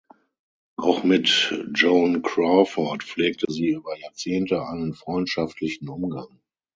Auch mit Joan Crawford pflegte sie über Jahrzehnte einen freundschaftlichen Umgang.